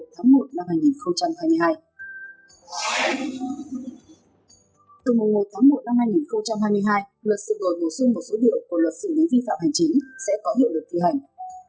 từ một một hai nghìn hai mươi hai luật sự gồi bổ sung một số điệu của luật sự đến vi phạm hành chính sẽ có hiệu lực tư hành